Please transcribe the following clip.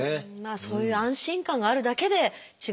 そういう安心感があるだけで違うんでしょうね。